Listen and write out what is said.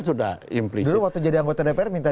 sudah impli dulu waktu jadi anggota dpr minta